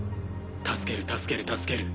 助ける助ける助ける。